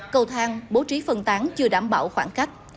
cầu thang bố trí phân tán chưa đảm bảo khoảng cách